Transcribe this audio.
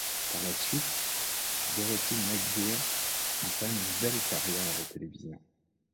Par la suite, Dorothy McGuire entame une belle carrière à la télévision.